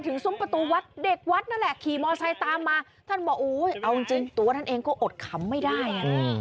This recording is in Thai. เออแล้วยนฯบอนพระครูเขาว่าไง